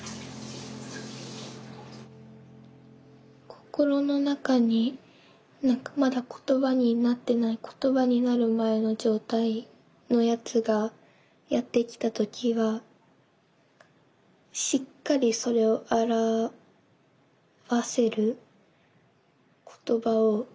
心の中にまだ言葉になっていない言葉になる前の状態のやつがやって来た時はしっかりそれを表せる言葉を素早く見つけること。